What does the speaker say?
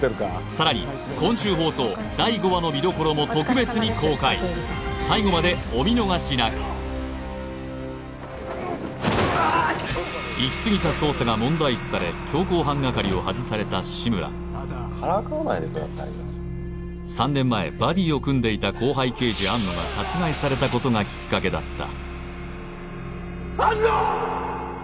さらに今週放送第５話の見どころも特別に公開最後までお見逃しなく行き過ぎた捜査が問題視され強行犯係を外された志村からかわないでくださいよ３年前バディを組んでいた後輩刑事安野が殺害されたことがきっかけだった安野！